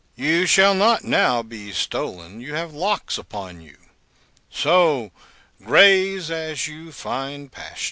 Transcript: You shall not now be stol'n, you have locks upon you; So graze as you find pasture.